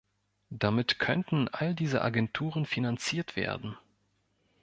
Damit könnten all diese Agenturen finanziert werden.